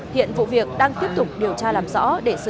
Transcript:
hiện vụ việc đang tiếp tục điều tra làm rõ